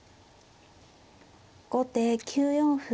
後手９四歩。